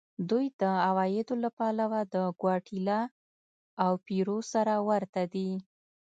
دوی د عوایدو له پلوه د ګواتیلا او پیرو سره ورته دي.